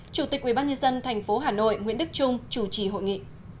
chủ tịch ubnd tp hà nội nguyễn đức trung chủ trì hội nghị